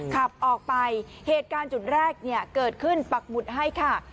ขับออกไปเหตุการณ์จุดแรกเนี่ยเกิดขึ้นปักหมุดให้ค่ะ